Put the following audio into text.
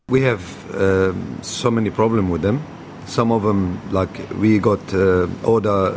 kadang kadang mereka mengundang satu dan mereka mengambil dua